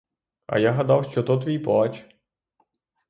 А я гадав, що то твій плач!